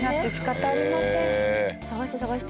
探して探して。